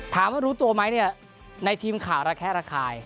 ถามกับเราตัวมั้ยเนี่ยในทีมข่าวราแค่ราคาย